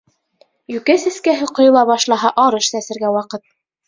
Йүкә сәскәһе ҡойола башлаһа, арыш сәсергә ваҡыт.